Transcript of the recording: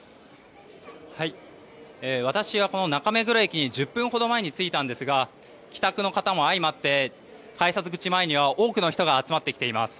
私は中目黒駅に１０分ほど前に着いたんですが帰宅の方も相まって改札口前に多くの人が集まってきています。